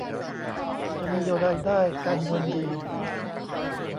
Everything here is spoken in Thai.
จะมีรายได้การเงินดี